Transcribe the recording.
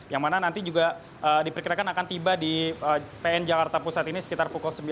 yang mana nanti juga diperkirakan akan tiba di pn jakarta pusat ini sekitar pukul sembilan